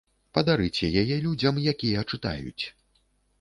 Падарыце яе людзям, якія чытаюць.